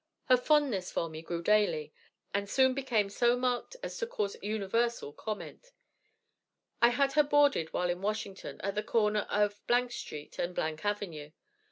Her fondness for me grew daily, and soon became so marked as to cause universal comment. I had her boarded while in Washington at the corner of Street and Avenue.